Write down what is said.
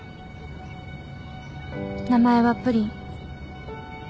名前はプリン。